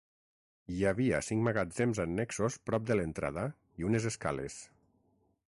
Hi havia cinc magatzems annexos prop de l'entrada i unes escales.